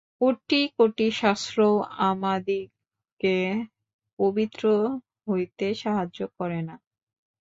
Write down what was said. কোটি কোটি শাস্ত্রও আমাদিগকে পবিত্র হইতে সাহায্য করে না।